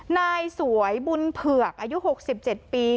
นายสวยบุญเผือกอายุ๖๗ปี